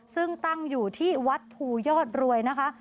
ซึ่งตั้งอยู่ที่วัดภูยอดรวยนะคะ